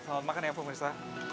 selamat makan ya pemirsa